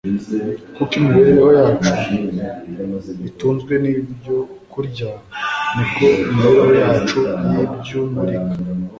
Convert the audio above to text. Nk’uko imibereho yacu itunzwe n'ibyo kwya niko imibereho yacu y'iby'umurika